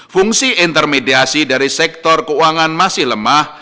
fungsi intermediasi dari sektor keuangan masih lemah